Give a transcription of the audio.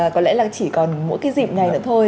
có lẽ là chỉ còn mỗi cái dịp này nữa thôi